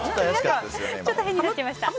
ちょっと変になっちゃいました。